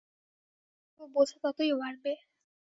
যত সইব বোঝা ততই বাড়বে।